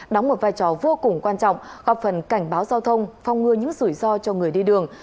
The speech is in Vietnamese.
đóng một vai trò vô cùng quan trọng góp phần cảnh báo giao thông phong ngừa những rủi ro cho người đi đường